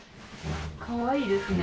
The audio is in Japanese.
かわいいですね。